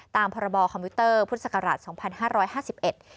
ตามพรบคอมพิวเตอร์พุทธศักราช๒๕๕๑